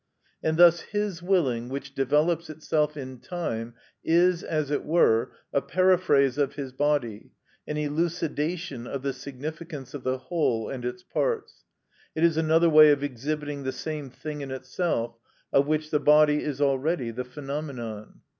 And thus his willing which develops itself in time is, as it were, a paraphrase of his body, an elucidation of the significance of the whole and its parts; it is another way of exhibiting the same thing in itself, of which the body is already the phenomenon.